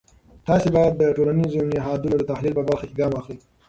تاسې باید د ټولنیزو نهادونو د تحلیل په برخه کې ګام واخلی.